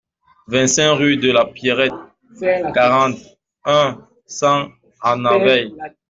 vingt-cinq rue de La Pierrette, quarante et un, cent à Naveil